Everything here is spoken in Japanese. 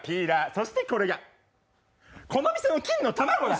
そしてこれが、この店の金の卵だ。